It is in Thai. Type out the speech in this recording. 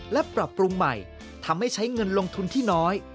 และปรับปรุงใหม่ทำให้ใช้เงินลงทุนที่น้อย